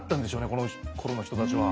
このころの人たちは。